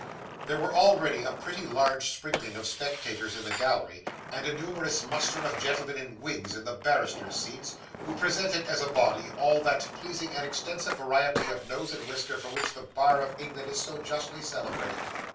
There were already a pretty large sprinkling of spectators in the gallery, and a numerous muster of gentlemen in wigs, in the barristers' seats, who presented, as a body, all that pleasing and extensive variety of nose and whisker for which the Bar of England is so justly celebrated.